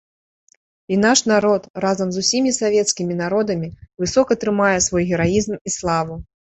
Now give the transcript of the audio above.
І наш народ, разам з усімі савецкімі народамі, высока трымае свой гераізм і славу.